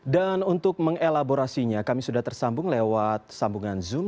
dan untuk mengelaborasinya kami sudah tersambung lewat sambungan zoom